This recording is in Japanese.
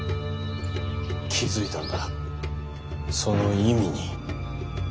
気付いたんだその意味に。